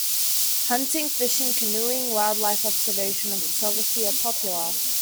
Hunting, fishing, canoeing, wildlife observation, and photography are popular.